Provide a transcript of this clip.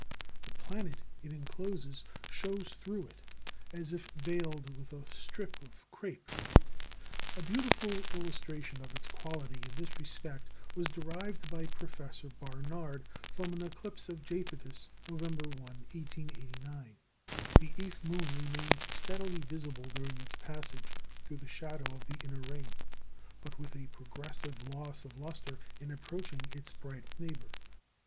The planet it encloses shows through it, as if veiled with a strip of crape. A beautiful illustration of its quality in this respect was derived by Professor Barnard from an eclipse of Japetus, November 1, 1889. The eighth moon remained steadily visible during its passage through the shadow of the inner ring, but with a progressive loss of lustre in approaching its bright neighbour.